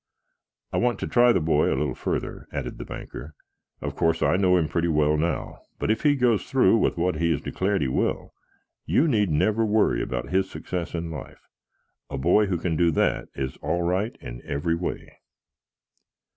"I want to try the boy a little further," added the banker. "Of course, I know him pretty well now, but if he goes through with what he has declared he will, you need never worry about his success in life. A boy who can do that is all right in every way."